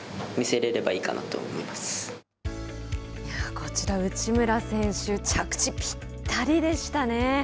こちら内村選手着地ぴったりでしたね。